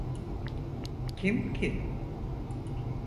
Kim ki?